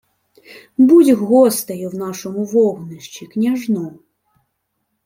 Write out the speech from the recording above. — Будь гостею в нашому вогнищі, княжно.